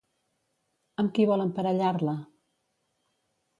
Amb qui vol emparellar-la?